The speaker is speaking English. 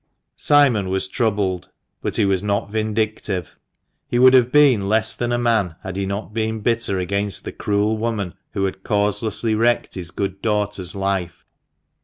Simon was troubled ; but he was not vindictive. He would have been less than a man had he not been bitter against the cruel woman who had causelessly wrecked his good daughter's life.